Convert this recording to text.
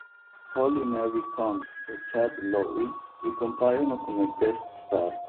Holly Marie Combs e Chad Lowe ricompaiono come guest star.